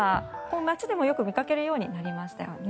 街でもよく見かけるようになりましたよね。